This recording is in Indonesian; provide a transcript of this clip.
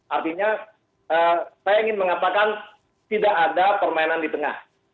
artinya saya ingin mengatakan tidak ada permainan di tengah